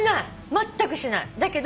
まったくしない。